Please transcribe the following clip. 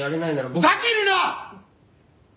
ふざけるな！！